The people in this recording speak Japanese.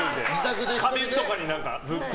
家電とかにずっと。